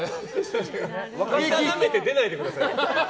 見定めて出ないでください。